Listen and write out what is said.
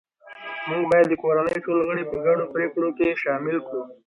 موږ باید د کورنۍ ټول غړي په ګډو پریکړو کې شامل کړو